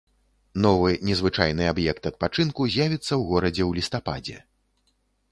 Новы незвычайны аб'ект адпачынку з'явіцца ў горадзе ў лістападзе.